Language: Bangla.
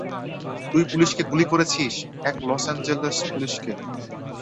তুই পুলিশকে গুলি করেছিস, এক লস এঞ্জেলস পুলিশকে।